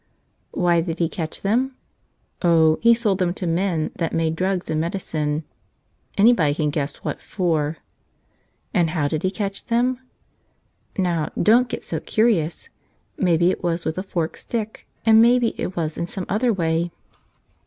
Why did he catch them? Oh, he sold them to men that made drugs and medicines. Anybody can guess what for. And how did he catch them? Now, don't get so curious ! Maybe it was with a forked stick, and may¬ be it was in some other way.